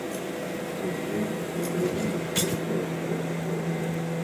ის მეთოდური მსახიობია და მნიშვნელოვან კვლევას ატარებს საკუთარ გმირებზე.